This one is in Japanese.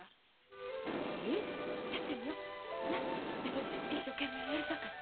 私一生懸命やるさかい。